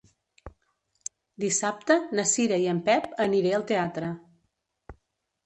Dissabte na Cira i en Pep aniré al teatre.